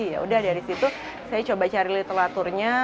yaudah dari situ saya coba cari literaturnya